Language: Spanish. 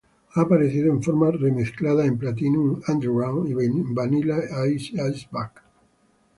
Ha aparecido en forma remezclada en "Platinum Underground" y "Vanilla Ice Is Back!".